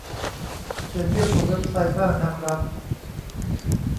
เชิญเยี่ยมชมเว็บไซต์ บ้างนะครับ